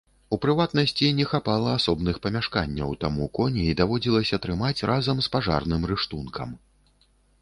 У прыватнасці, не хапала асобных памяшканняў, таму коней даводзілася трымаць разам з пажарным рыштункам.